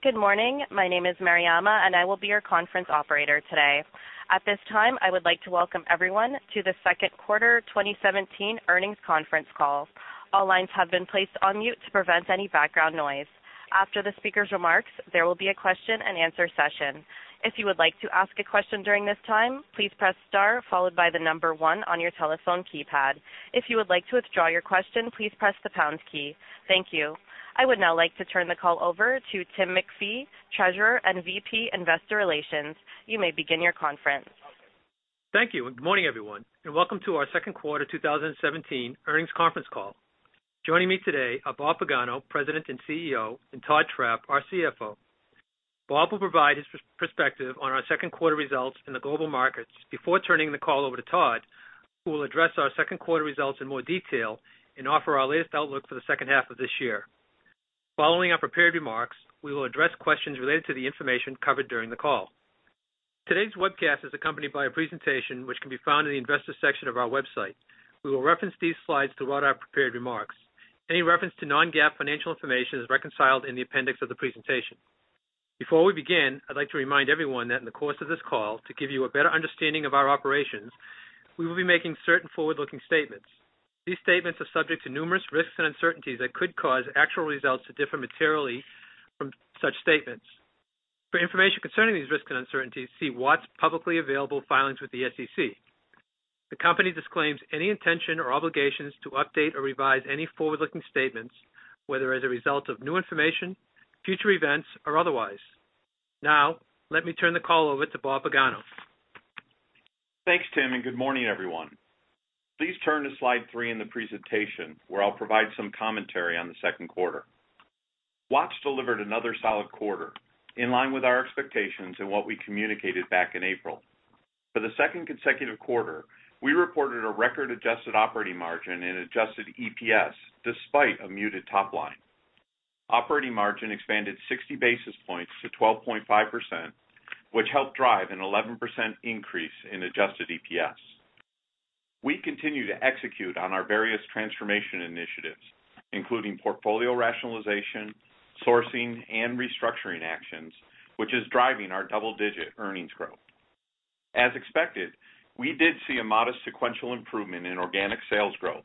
Good morning. My name is Mariama, and I will be your conference operator today. At this time, I would like to welcome everyone to the second quarter 2017 earnings conference call. All lines have been placed on mute to prevent any background noise. After the speaker's remarks, there will be a question-and-answer session. If you would like to ask a question during this time, please press star, followed by the number one on your telephone keypad. If you would like to withdraw your question, please press the pound key. Thank you. I would now like to turn the call over to Tim MacPhee, Treasurer and VP Investor Relations. You may begin your conference. Thank you, and good morning, everyone, and welcome to our second quarter 2017 earnings conference call. Joining me today are Bob Pagano, President and CEO, and Todd Trapp, our CFO. Bob will provide his perspective on our second quarter results in the global markets before turning the call over to Todd, who will address our second quarter results in more detail and offer our latest outlook for the second half of this year. Following our prepared remarks, we will address questions related to the information covered during the call. Today's webcast is accompanied by a presentation which can be found in the Investors section of our website. We will reference these slides throughout our prepared remarks. Any reference to non-GAAP financial information is reconciled in the appendix of the presentation. Before we begin, I'd like to remind everyone that in the course of this call, to give you a better understanding of our operations, we will be making certain forward-looking statements. These statements are subject to numerous risks and uncertainties that could cause actual results to differ materially from such statements. For information concerning these risks and uncertainties, see Watts' publicly available filings with the SEC. The company disclaims any intention or obligations to update or revise any forward-looking statements, whether as a result of new information, future events, or otherwise. Now, let me turn the call over to Bob Pagano. Thanks, Tim, and good morning, everyone. Please turn to Slide 3 in the presentation, where I'll provide some commentary on the second quarter. Watts delivered another solid quarter, in line with our expectations and what we communicated back in April. For the second consecutive quarter, we reported a record adjusted operating margin and adjusted EPS, despite a muted top line. Operating margin expanded 60 basis points to 12.5%, which helped drive an 11% increase in adjusted EPS. We continue to execute on our various transformation initiatives, including portfolio rationalization, sourcing, and restructuring actions, which is driving our double-digit earnings growth. As expected, we did see a modest sequential improvement in organic sales growth.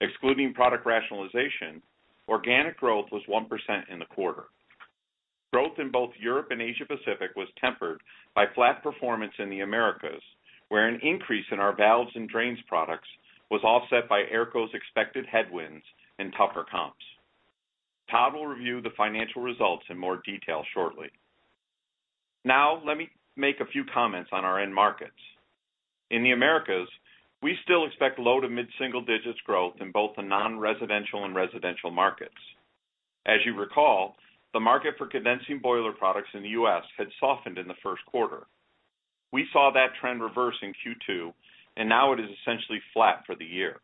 Excluding product rationalization, organic growth was 1% in the quarter. Growth in both Europe and Asia Pacific was tempered by flat performance in the Americas, where an increase in our valves and drains products was offset by AERCO's expected headwinds and tougher comps. Todd will review the financial results in more detail shortly. Now, let me make a few comments on our end markets. In the Americas, we still expect low- to mid-single digits growth in both the non-residential and residential markets. As you recall, the market for condensing boiler products in the U.S. had softened in the first quarter. We saw that trend reverse in Q2, and now it is essentially flat for the year.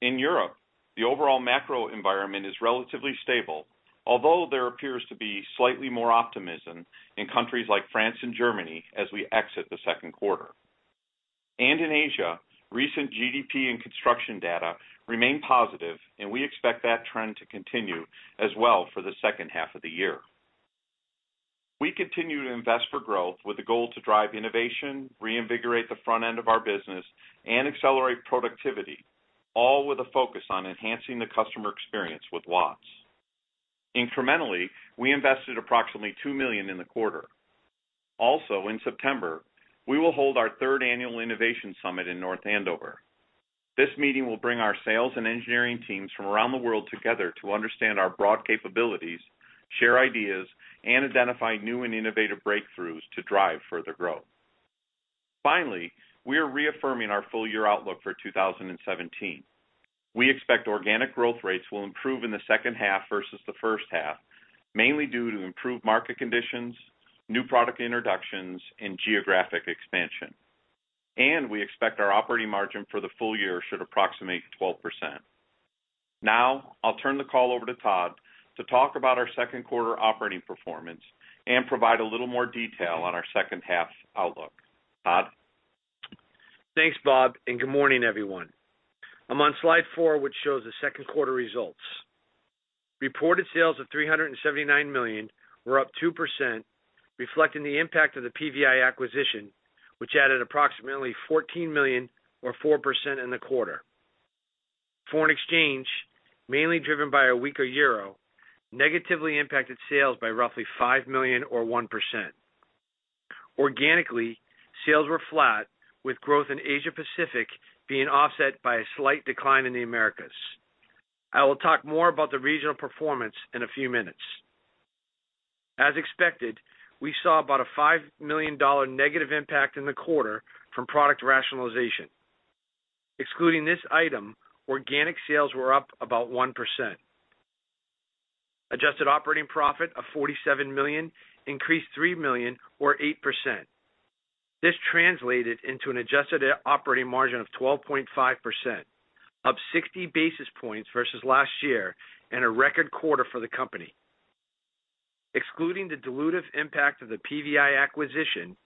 In Europe, the overall macro environment is relatively stable, although there appears to be slightly more optimism in countries like France and Germany as we exit the second quarter. In Asia, recent GDP and construction data remain positive, and we expect that trend to continue as well for the second half of the year. We continue to invest for growth with the goal to drive innovation, reinvigorate the front end of our business, and accelerate productivity, all with a focus on enhancing the customer experience with Watts. Incrementally, we invested approximately $2 million in the quarter. Also, in September, we will hold our third annual Innovation Summit in North Andover. This meeting will bring our sales and engineering teams from around the world together to understand our broad capabilities, share ideas, and identify new and innovative breakthroughs to drive further growth. Finally, we are reaffirming our full year outlook for 2017. We expect organic growth rates will improve in the second half versus the first half, mainly due to improved market conditions, new product introductions, and geographic expansion. We expect our operating margin for the full year should approximate 12%. Now, I'll turn the call over to Todd to talk about our second quarter operating performance and provide a little more detail on our second half outlook. Todd? Thanks, Bob, and good morning, everyone. I'm on Slide 4, which shows the second quarter results. Reported sales of $379 million were up 2%, reflecting the impact of the PVI acquisition, which added approximately $14 million or 4% in the quarter. Foreign exchange, mainly driven by a weaker euro, negatively impacted sales by roughly $5 million or 1%. Organically, sales were flat, with growth in Asia Pacific being offset by a slight decline in the Americas. I will talk more about the regional performance in a few minutes. As expected, we saw about a $5 million negative impact in the quarter from product rationalization. Excluding this item, organic sales were up about 1%. Adjusted operating profit of $47 million increased $3 million or 8%. This translated into an adjusted operating margin of 12.5%, up 60 basis points versus last year and a record quarter for the company. Excluding the dilutive impact of the PVI acquisition,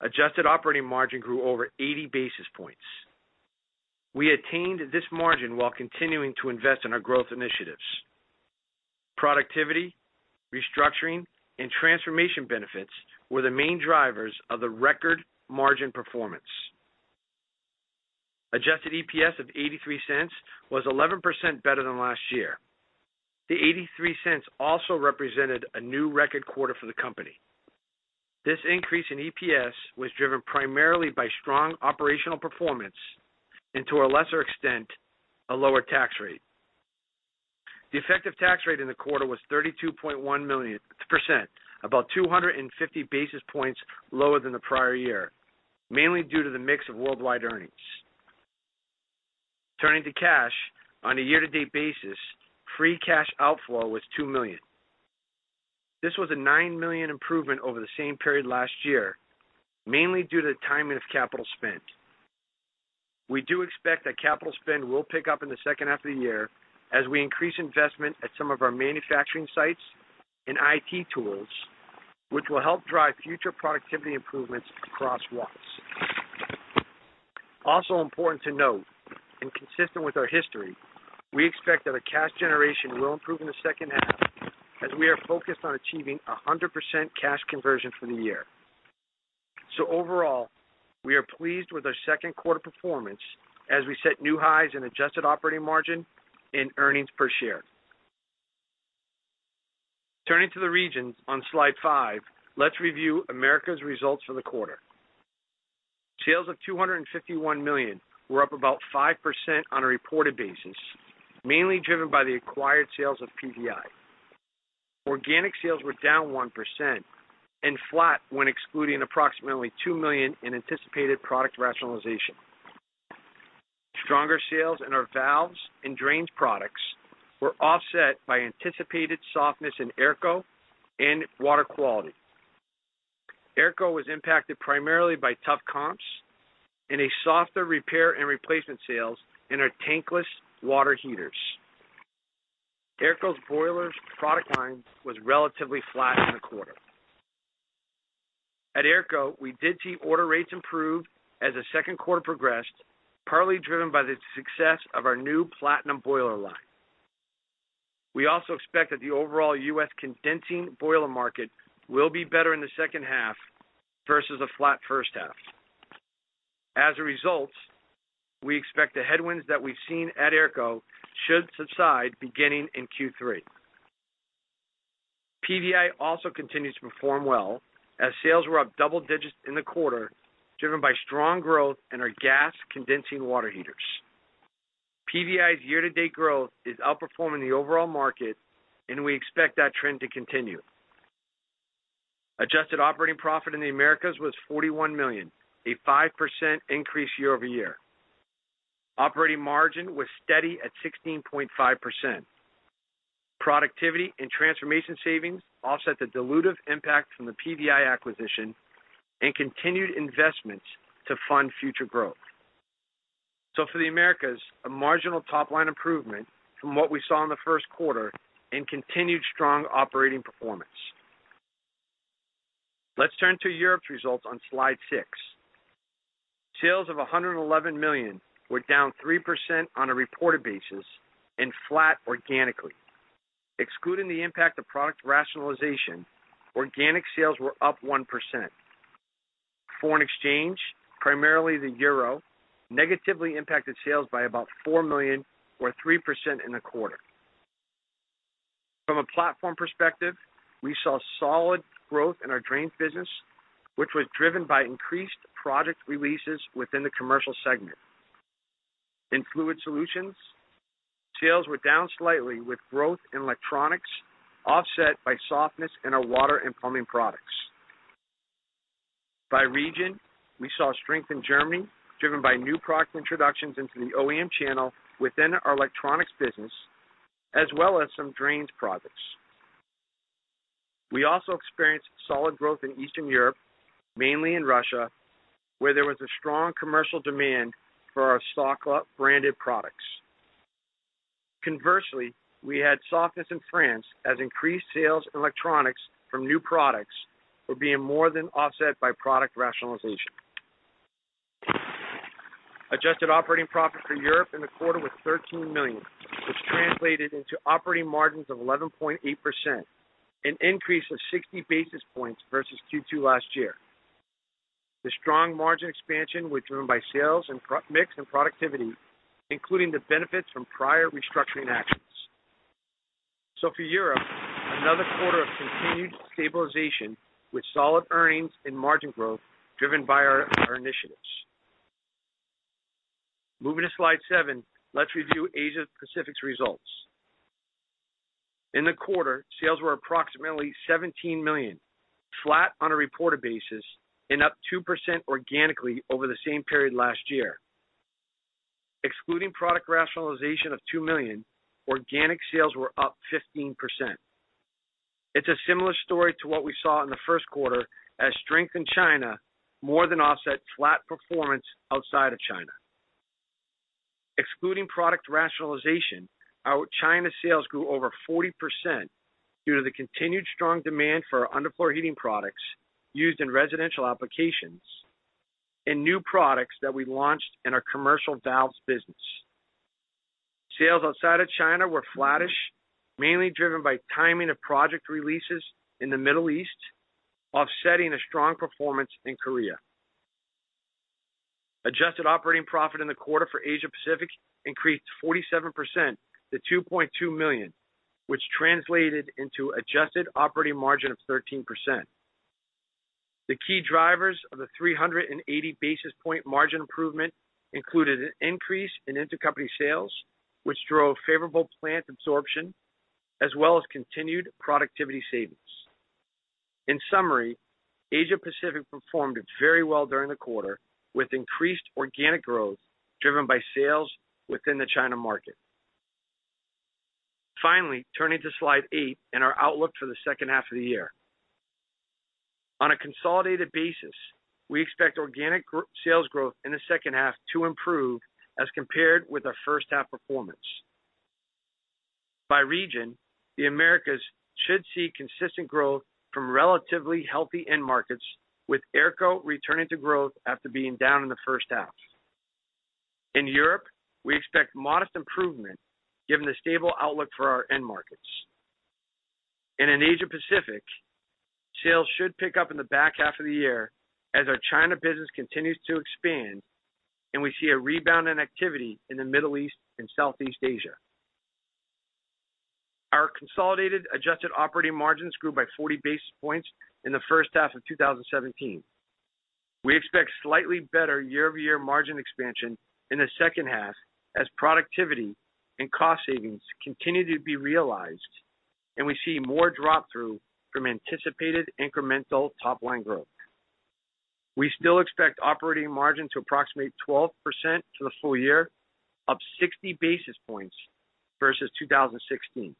adjusted operating margin grew over 80 basis points. We attained this margin while continuing to invest in our growth initiatives. Productivity, restructuring, and transformation benefits were the main drivers of the record margin performance. Adjusted EPS of $0.83 was 11% better than last year. The $0.83 also represented a new record quarter for the company. This increase in EPS was driven primarily by strong operational performance and, to a lesser extent, a lower tax rate. The effective tax rate in the quarter was 32.1%, about 250 basis points lower than the prior year, mainly due to the mix of worldwide earnings. Turning to cash, on a year-to-date basis, free cash outflow was $2 million. This was a $9 million improvement over the same period last year, mainly due to the timing of capital spend. We do expect that capital spend will pick up in the second half of the year as we increase investment at some of our manufacturing sites and IT tools, which will help drive future productivity improvements across Watts. Also important to note, and consistent with our history, we expect that our cash generation will improve in the second half, as we are focused on achieving 100% cash conversion for the year. So overall, we are pleased with our second quarter performance as we set new highs in adjusted operating margin and earnings per share. Turning to the region, on Slide 5, let's review Americas results for the quarter. Sales of $251 million were up about 5% on a reported basis, mainly driven by the acquired sales of PVI. Organic sales were down 1% and flat when excluding approximately $2 million in anticipated product rationalization. Stronger sales in our valves and drains products were offset by anticipated softness in AERCO and water quality. AERCO was impacted primarily by tough comps and a softer repair and replacement sales in our tankless water heaters. AERCO's boilers product line was relatively flat in the quarter. At AERCO, we did see order rates improve as the second quarter progressed, partly driven by the success of our new Platinum boiler line. We also expect that the overall U.S. condensing boiler market will be better in the second half versus a flat first half. As a result, we expect the headwinds that we've seen at AERCO should subside beginning in Q3. PVI also continues to perform well, as sales were up double digits in the quarter, driven by strong growth in our gas condensing water heaters. PVI's year-to-date growth is outperforming the overall market, and we expect that trend to continue. Adjusted operating profit in the Americas was $41 million, a 5% increase year-over-year. Operating margin was steady at 16.5%. Productivity and transformation savings offset the dilutive impact from the PVI acquisition and continued investments to fund future growth. So for the Americas, a marginal top-line improvement from what we saw in the first quarter and continued strong operating performance. Let's turn to Europe's results on Slide 6. Sales of $111 million were down 3% on a reported basis and flat organically. Excluding the impact of product rationalization, organic sales were up 1%. Foreign exchange, primarily the euro, negatively impacted sales by about $4 million or 3% in the quarter. From a platform perspective, we saw solid growth in our drains business, which was driven by increased product releases within the commercial segment. In Fluid Solutions, sales were down slightly, with growth in electronics offset by softness in our water and plumbing products. By region, we saw strength in Germany, driven by new product introductions into the OEM channel within our electronics business, as well as some drains products. We also experienced solid growth in Eastern Europe, mainly in Russia, where there was a strong commercial demand for our Stout branded products. Conversely, we had softness in France, as increased sales in electronics from new products were being more than offset by product rationalization. Adjusted operating profit for Europe in the quarter was $13 million, which translated into operating margins of 11.8%, an increase of 60 basis points versus Q2 last year. The strong margin expansion was driven by sales and product mix and productivity, including the benefits from prior restructuring actions. So for Europe, another quarter of continued stabilization with solid earnings and margin growth driven by our, our initiatives. Moving to Slide 7, let's review Asia Pacific's results. In the quarter, sales were approximately $17 million, flat on a reported basis and up 2% organically over the same period last year. Excluding product rationalization of $2 million, organic sales were up 15%. It's a similar story to what we saw in the first quarter, as strength in China more than offset flat performance outside of China. Excluding product rationalization, our China sales grew over 40%. Due to the continued strong demand for our underfloor heating products used in residential applications and new products that we launched in our commercial valves business. Sales outside of China were flattish, mainly driven by timing of project releases in the Middle East, offsetting a strong performance in Korea. Adjusted operating profit in the quarter for Asia Pacific increased 47% to $2.2 million, which translated into adjusted operating margin of 13%. The key drivers of the 380 basis points margin improvement included an increase in intercompany sales, which drove favorable plant absorption, as well as continued productivity savings. In summary, Asia Pacific performed very well during the quarter, with increased organic growth, driven by sales within the China market. Finally, turning to Slide 8 and our outlook for the second half of the year. On a consolidated basis, we expect organic sales growth in the second half to improve as compared with our first half performance. By region, the Americas should see consistent growth from relatively healthy end markets, with AERCO returning to growth after being down in the first half. In Europe, we expect modest improvement given the stable outlook for our end markets. In Asia Pacific, sales should pick up in the back half of the year as our China business continues to expand, and we see a rebound in activity in the Middle East and Southeast Asia. Our consolidated adjusted operating margins grew by 40 basis points in the first half of 2017. We expect slightly better year-over-year margin expansion in the second half, as productivity and cost savings continue to be realized, and we see more drop-through from anticipated incremental top-line growth. We still expect operating margin to approximate 12% for the full year, up 60 basis points versus 2016.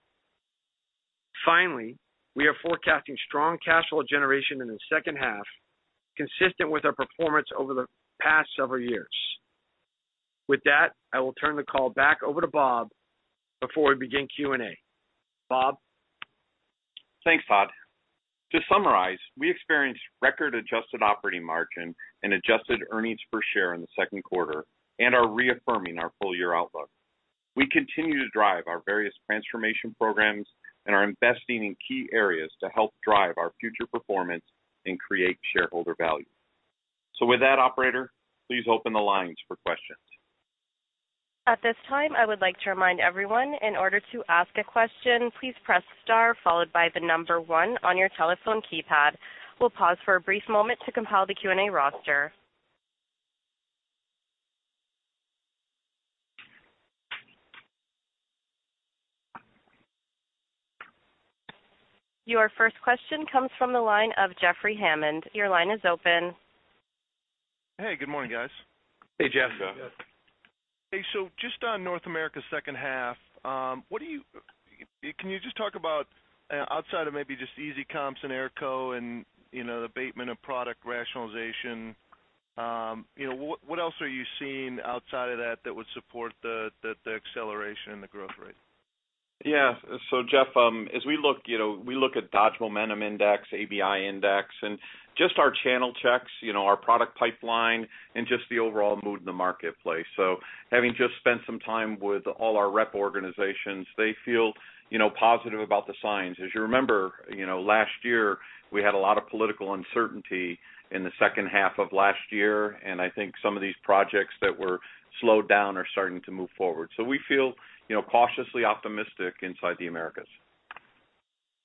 Finally, we are forecasting strong cash flow generation in the second half, consistent with our performance over the past several years. With that, I will turn the call back over to Bob before we begin Q&A. Bob? Thanks, Todd. To summarize, we experienced record adjusted operating margin and adjusted earnings per share in the second quarter and are reaffirming our full-year outlook. We continue to drive our various transformation programs and are investing in key areas to help drive our future performance and create shareholder value. So with that, operator, please open the lines for questions. At this time, I would like to remind everyone, in order to ask a question, please press star followed by the number one on your telephone keypad. We'll pause for a brief moment to compile the Q&A roster. Your first question comes from the line of Jeffrey Hammond. Your line is open. Hey, good morning, guys. Hey, Jeff. Jeff. Hey, so just on North America second half, can you just talk about, outside of maybe just easy comps and AERCO and, you know, the abatement of product rationalization, you know, what else are you seeing outside of that that would support the acceleration and the growth rate? Yeah. So Jeff, as we look, you know, we look at Dodge Momentum Index, ABI Index, and just our channel checks, you know, our product pipeline and just the overall mood in the marketplace. So having just spent some time with all our rep organizations, they feel, you know, positive about the signs. As you remember, you know, last year, we had a lot of political uncertainty in the second half of last year, and I think some of these projects that were slowed down are starting to move forward. So we feel, you know, cautiously optimistic inside the Americas.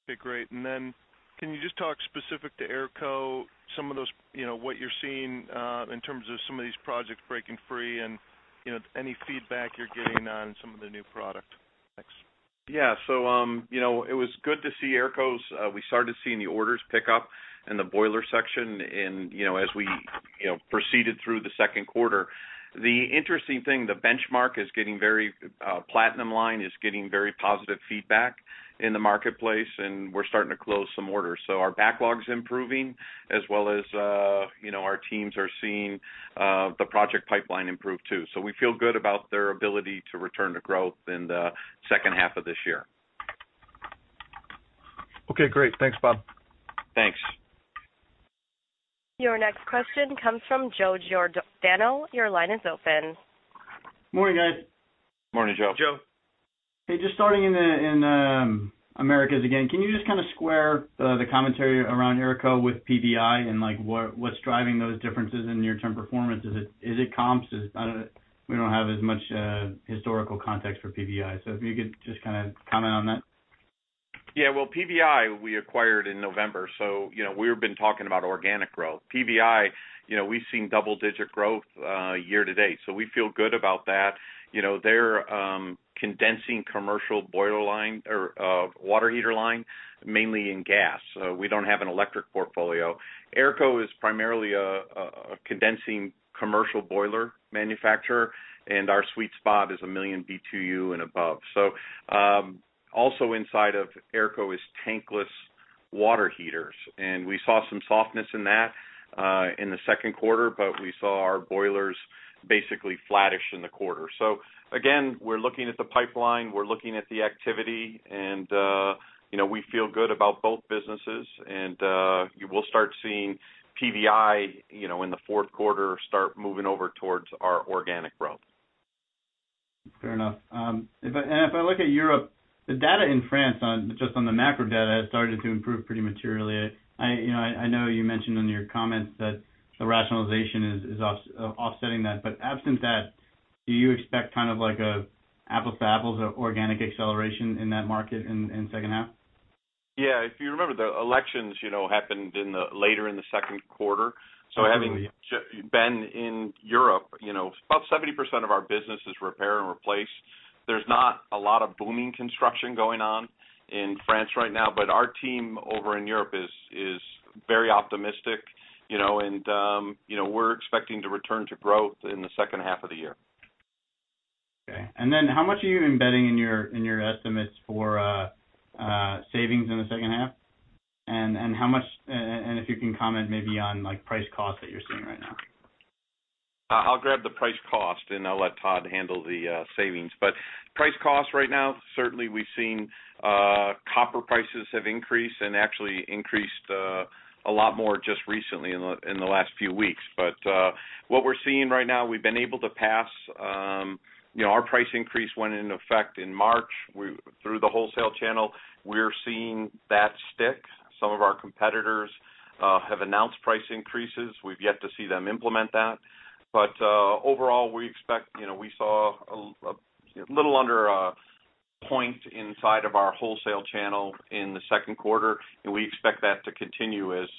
Okay, great. Then can you just talk specific to AERCO, some of those, you know, what you're seeing in terms of some of these projects breaking free and, you know, any feedback you're getting on some of the new product? Thanks. Yeah. So, you know, it was good to see AERCO's, we started to see the orders pick up in the boiler section and, you know, as we, you know, proceeded through the second quarter. The interesting thing, the Benchmark Platinum line is getting very positive feedback in the marketplace, and we're starting to close some orders. So our backlog's improving as well as, you know, our teams are seeing, the project pipeline improve, too. So we feel good about their ability to return to growth in the second half of this year. Okay, great. Thanks, Bob. Thanks. Your next question comes from Joe Giordano. Your line is open. Morning, guys. Morning, Joe. Joe. Hey, just starting in the Americas again, can you just kind of square the commentary around AERCO with PVI and, like, what, what's driving those differences in near-term performance? Is it, is it comps? I don't, we don't have as much historical context for PVI. So if you could just kind of comment on that. Yeah, well, PVI, we acquired in November, so you know, we've been talking about organic growth. PVI, you know, we've seen double-digit growth year to date, so we feel good about that. You know, they're condensing commercial boiler line or water heater line, mainly in gas. We don't have an electric portfolio. AERCO is primarily a condensing commercial boiler manufacturer, and our sweet spot is 1 million BTU and above. So, also inside of AERCO is tankless water heaters, and we saw some softness in that in the second quarter, but we saw our boilers basically flattish in the quarter. So again, we're looking at the pipeline, we're looking at the activity, and you know, we feel good about both businesses. And you will start seeing PVI you know, in the fourth quarter, start moving over towards our organic growth. Fair enough. If I look at Europe, the data in France on just the macro data has started to improve pretty materially. You know, I know you mentioned in your comments that the rationalization is offsetting that, but absent that, do you expect kind of like an apples to apples organic acceleration in that market in second half? Yeah, if you remember, the elections, you know, happened later in the second quarter. Mm-hmm. Having been in Europe, you know, about 70% of our business is repair and replace. There's not a lot of booming construction going on in France right now, but our team over in Europe is very optimistic, you know, and, you know, we're expecting to return to growth in the second half of the year. Okay. And then how much are you embedding in your estimates for savings in the second half? And how much, and if you can comment maybe on, like, price cost that you're seeing right now. I'll grab the price cost, and I'll let Todd handle the savings. But price cost right now, certainly we've seen copper prices have increased and actually increased a lot more just recently in the last few weeks. But what we're seeing right now, we've been able to pass... You know, our price increase went into effect in March through the wholesale channel. We're seeing that stick. Some of our competitors have announced price increases. We've yet to see them implement that. But overall, we expect, you know, we saw a little under a point inside of our wholesale channel in the second quarter, and we expect that to continue as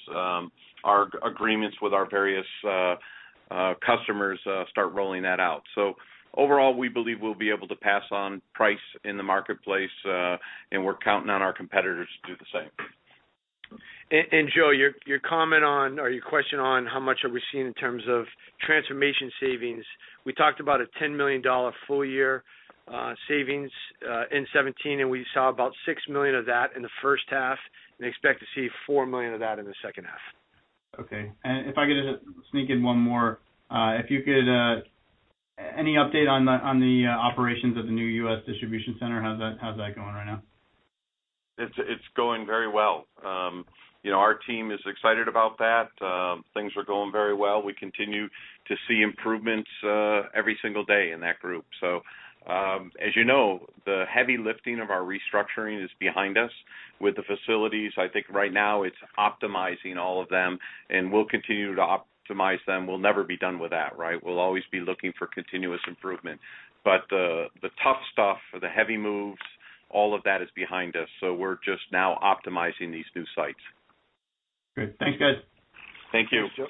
our agreements with our various customers start rolling that out. So overall, we believe we'll be able to pass on price in the marketplace, and we're counting on our competitors to do the same. And Joe, your comment on, or your question on how much are we seeing in terms of transformation savings, we talked about a $10 million full year savings in 2017, and we saw about $6 million of that in the first half, and expect to see $4 million of that in the second half. Okay. And if I could just sneak in one more. If you could, any update on the operations of the new U.S. distribution center? How's that going right now? It's going very well. You know, our team is excited about that. Things are going very well. We continue to see improvements every single day in that group. So, as you know, the heavy lifting of our restructuring is behind us with the facilities. I think right now it's optimizing all of them, and we'll continue to optimize them. We'll never be done with that, right? We'll always be looking for continuous improvement. But the tough stuff, the heavy moves, all of that is behind us. So we're just now optimizing these new sites. Great. Thanks, guys. Thank you. Thanks, Joe.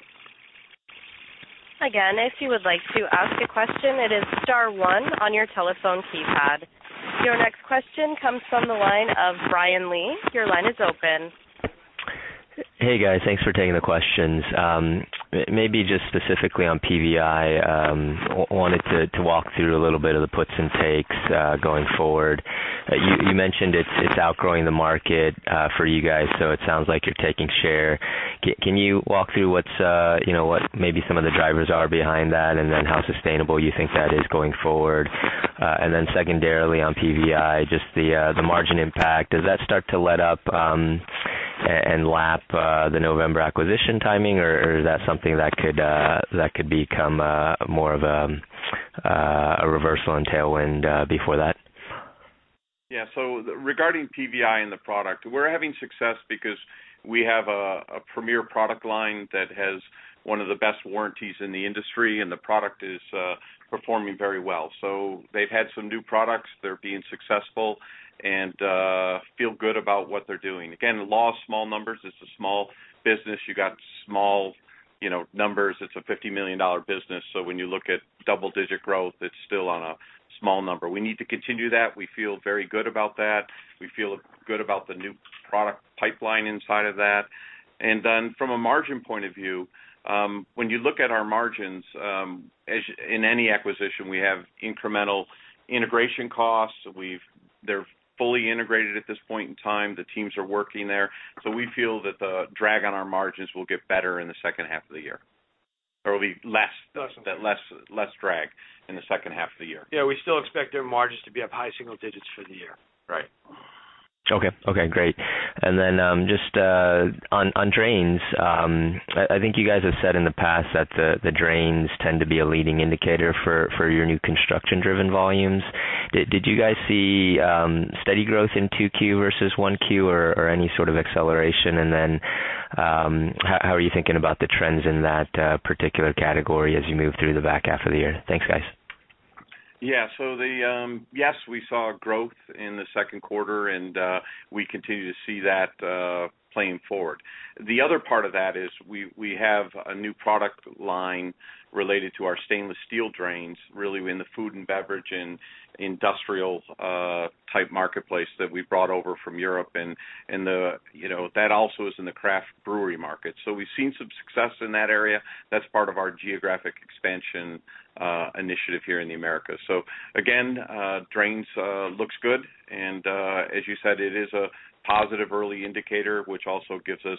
Again, if you would like to ask a question, it is star one on your telephone keypad. Your next question comes from the line of Brian Lee. Your line is open. Hey, guys. Thanks for taking the questions. Maybe just specifically on PVI, I wanted to walk through a little bit of the puts and takes going forward. You mentioned it's outgrowing the market for you guys, so it sounds like you're taking share. Can you walk through what's, you know, what maybe some of the drivers are behind that, and then how sustainable you think that is going forward? And then secondarily, on PVI, just the margin impact, does that start to let up and lap the November acquisition timing, or is that something that could become more of a reversal and tailwind before that? Yeah. So regarding PVI and the product, we're having success because we have a premier product line that has one of the best warranties in the industry, and the product is performing very well. So they've had some new products. They're being successful and feel good about what they're doing. Again, the law of small numbers, it's a small business. You got small, you know, numbers. It's a $50 million business, so when you look at double digit growth, it's still on a small number. We need to continue that. We feel very good about that. We feel good about the new product pipeline inside of that. And then from a margin point of view, when you look at our margins, as in any acquisition, we have incremental integration costs. They're fully integrated at this point in time. The teams are working there. So we feel that the drag on our margins will get better in the second half of the year, or will be less- Less. That less drag in the second half of the year. Yeah, we still expect their margins to be up high single digits for the year. Right. Okay. Okay, great. And then, just, on drains, I think you guys have said in the past that the drains tend to be a leading indicator for your new construction-driven volumes. Did you guys see steady growth in 2Q versus 1Q, or any sort of acceleration? And then, how are you thinking about the trends in that particular category as you move through the back half of the year? Thanks, guys. Yeah. So, yes, we saw growth in the second quarter, and we continue to see that playing forward. The other part of that is we have a new product line related to our stainless steel drains, really in the food and beverage and industrial type marketplace that we brought over from Europe. And the, you know, that also is in the craft brewery market. So we've seen some success in that area. That's part of our geographic expansion initiative here in the Americas. So again, drains looks good, and as you said, it is a positive early indicator, which also gives us,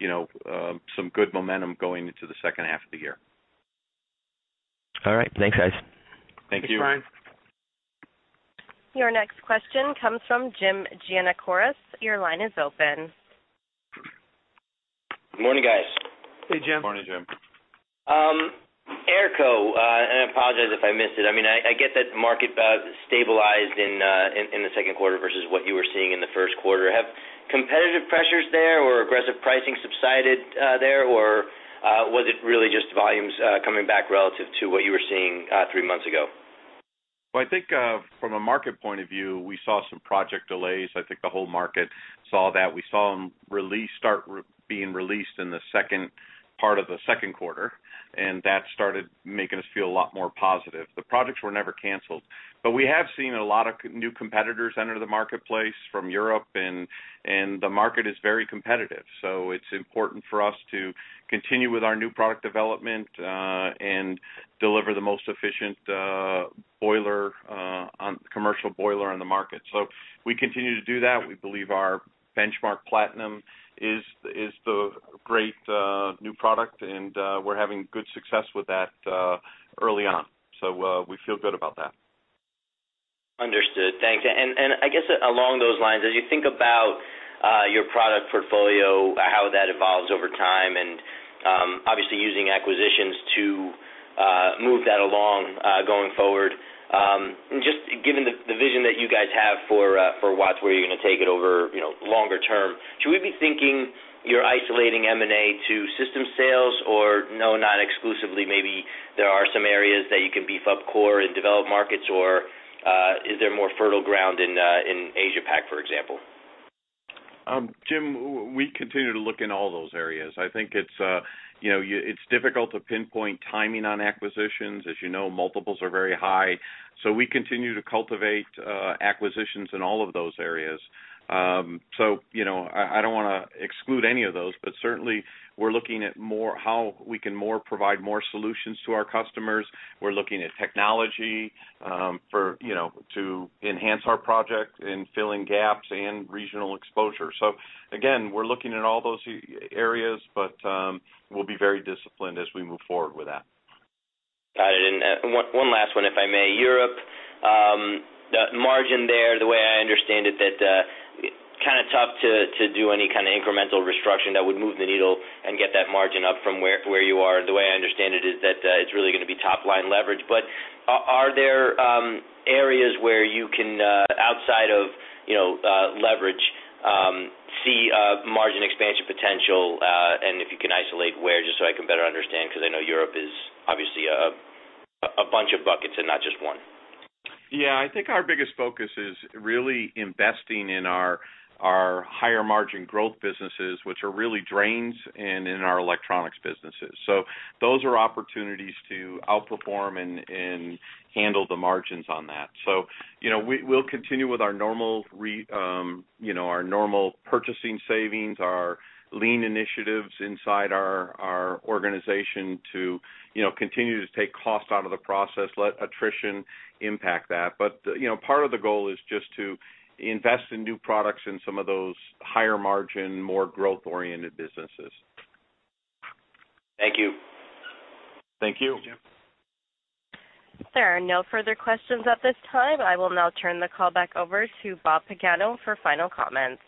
you know, some good momentum going into the second half of the year. All right. Thanks, guys. Thank you. Thanks, Brian. Your next question comes from Jim Giannakouros. Your line is open. Good morning, guys. Hey, Jim. Good morning, Jim. AERCO, and I apologize if I missed it. I mean, I get that the market stabilized in the second quarter versus what you were seeing in the first quarter. Have competitive pressures there or aggressive pricing subsided there? Or was it really just volumes coming back relative to what you were seeing three months ago? Well, I think, from a market point of view, we saw some project delays. I think the whole market saw that. We saw them start being released in the second part of the second quarter, and that started making us feel a lot more positive. The projects were never canceled. But we have seen a lot of new competitors enter the marketplace from Europe, and the market is very competitive. So it's important for us to continue with our new product development, and deliver the most efficient boiler on the commercial boiler market. So we continue to do that. We believe our Benchmark Platinum is the great new product, and we're having good success with that early on. So we feel good about that. Understood. Thanks. And I guess along those lines, as you think about your product portfolio, how that evolves over time, and obviously using acquisitions to move that along going forward. Just given the vision that you guys have for Watts, where you're gonna take it over, you know, longer term, should we be thinking you're isolating M&A to system sales? Or no, not exclusively, maybe there are some areas that you can beef up core and develop markets, or is there more fertile ground in Asia Pac, for example? Jim, we continue to look in all those areas. I think it's, you know, it's difficult to pinpoint timing on acquisitions. As you know, multiples are very high, so we continue to cultivate acquisitions in all of those areas. So you know, I don't wanna exclude any of those, but certainly we're looking at more, how we can more, provide more solutions to our customers. We're looking at technology, for, you know, to enhance our project and fill in gaps and regional exposure. So again, we're looking at all those areas, but, we'll be very disciplined as we move forward with that. Got it. And one last one, if I may. Europe, the margin there, the way I understand it, kind of tough to do any kind of incremental restructuring that would move the needle and get that margin up from where you are. The way I understand it is that it's really gonna be top-line leverage. But are there areas where you can, outside of, you know, leverage, see margin expansion potential? And if you can isolate where, just so I can better understand, 'cause I know Europe is obviously a bunch of buckets and not just one. Yeah, I think our biggest focus is really investing in our, our higher-margin growth businesses, which are really drains and in our electronics businesses. So those are opportunities to outperform and, and handle the margins on that. So, you know, we'll continue with our normal, you know, our normal purchasing savings, our lean initiatives inside our, our organization to, you know, continue to take costs out of the process, let attrition impact that. But, you know, part of the goal is just to invest in new products in some of those higher margin, more growth-oriented businesses. Thank you. Thank you. Thank you. There are no further questions at this time. I will now turn the call back over to Bob Pagano for final comments.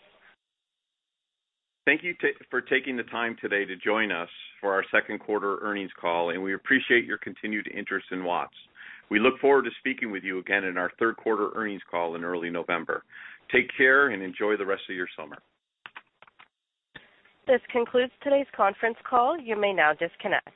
Thank you for taking the time today to join us for our second quarter earnings call, and we appreciate your continued interest in Watts. We look forward to speaking with you again in our third quarter earnings call in early November. Take care and enjoy the rest of your summer. This concludes today's conference call. You may now disconnect.